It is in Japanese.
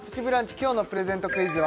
今日のプレゼントクイズは？